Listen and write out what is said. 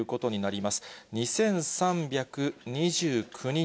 ２３２９人。